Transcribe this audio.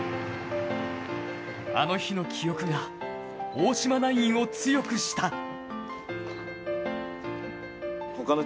あの日の記憶が大島ナインを強くした。